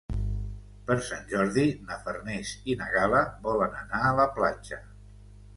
Per Sant Jordi na Farners i na Gal·la volen anar a la platja.